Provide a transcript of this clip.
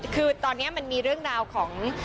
คือตอนนี้มันมีเรื่องราวของ